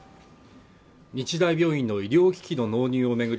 日大病院の医療機器の納入を巡り